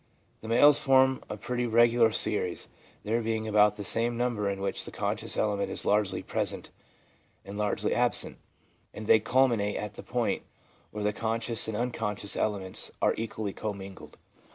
The males form a pretty regular series, there being about the same number in which the conscious element is largely present and largely absent, and they culminate at the point where the conscious and unconscious elements are equally commingled.